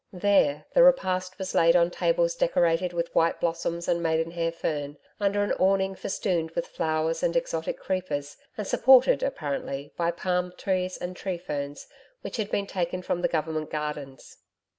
There, the repast was laid on tables decorated with white blossoms and maidenhair fern, under an awning festooned with flowers and exotic creepers, and supported apparently, by palm trees and tree ferns which had been taken from the Government Gardens.